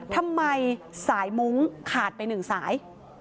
ทำไมสายมุ้งขาดไปหนึ่งสาย